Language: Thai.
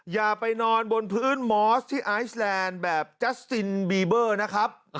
อย่าไปนอนบนพื้นมอสที่ไอซแลนด์แบบจัสตินบีเบอร์นะครับ